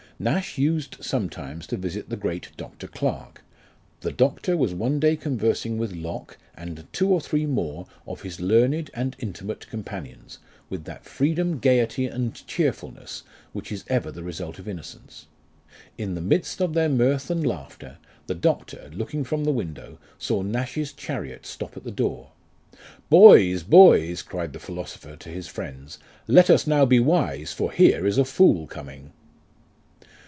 Nash used sometimes to visit the great Doctor Clarke. The doctor was one day conversing with Locke and two or three more of his learned and 1 Roderick Random. LIFE OF RICHARD NASH. 97 intimate companions, with that freedom, gaiety, and cheerfulness, which is ever the result of innocence. In the midst of their mirth and laughter, the doctor, looking from the window, saw Nash's. chariot stop at the door. " Boys, boys," cried the philosopher to his friends, " let us now be wise, for here is a fool coming."